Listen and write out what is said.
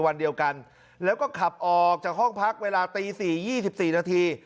วันเดียวกันแล้วก็ขับออกจากห้องพักเวลาตี๔๒๔นาที